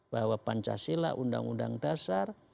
bahwa pancasila undang undang dasar